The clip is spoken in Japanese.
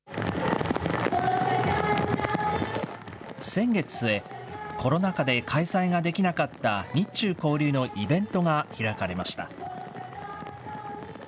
先月末、コロナ禍で開催ができなかった日中交流のイベントが開かれました。